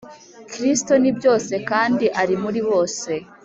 Kristo ni byose kandi ari muri bose